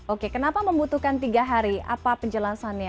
oke kenapa membutuhkan tiga hari apa penjelasannya